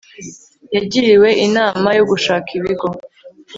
yagiriwe inama yo gushaka ibigo